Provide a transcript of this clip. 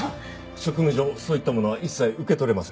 職務上そういったものは一切受け取れません。